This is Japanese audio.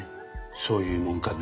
そういうもんかね。